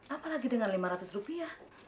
apalagi dengan lima ratus rupiah